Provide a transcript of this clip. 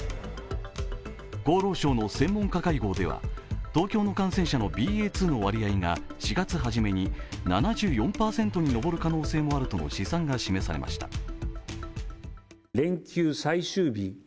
厚労省の専門家会合では東京の感染者のＢＡ．２の割合が４月はじめに７４％に上る可能性があるとの試算が示されました。